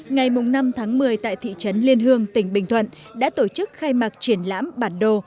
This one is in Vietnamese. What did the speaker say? ngày năm tháng một mươi tại thị trấn liên hương tỉnh bình thuận đã tổ chức khai mạc triển lãm bản đồ